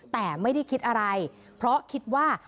แต่ไม่ได้คิดอะไรเพราะคิดว่า